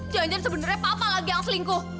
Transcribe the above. jangan jangan sebenarnya papa lagi yang selingkuh